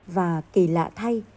và kỳ lạ thay